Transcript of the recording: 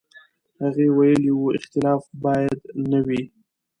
هغه ویلي و، اختلاف باید نه وي.